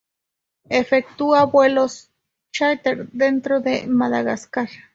Efectúa vuelos chárter dentro de Madagascar.